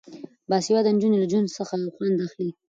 باسواده نجونې له ژوند څخه خوند اخلي.